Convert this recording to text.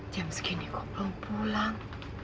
jam segini kok belum pulang